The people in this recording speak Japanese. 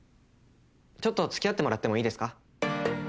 ちょっと付き合ってもらってもいいですか？